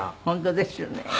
本当ですよね。